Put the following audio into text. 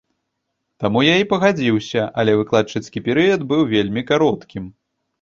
Таму я і пагадзіўся, але выкладчыцкі перыяд быў вельмі кароткім.